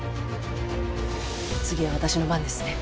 次は私の番ですね。